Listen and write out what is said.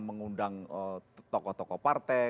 mengundang tokoh tokoh partai